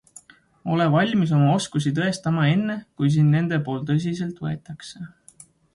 Ole valmis oma oskusi tõestama enne kui sind nende poolt tõsiselt võetakse.